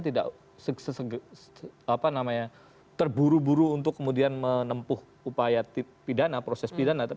tidak terburu buru untuk kemudian menempuh upaya pidana proses pidana